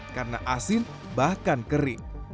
karena asin bahkan kering